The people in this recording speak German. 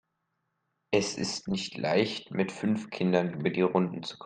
Es ist nicht leicht, mit fünf Kindern über die Runden zu kommen.